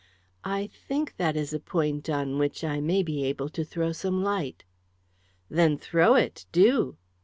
"I think that is a point on which I may be able to throw some light." "Then throw it do!"